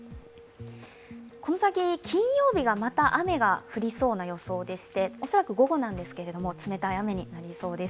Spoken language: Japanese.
この先、金曜日がまた雨が降りそうな予想でして、恐らく午後なんですけれども、冷たい雨になりそうです。